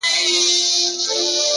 هر ګام د منزل برخه ده.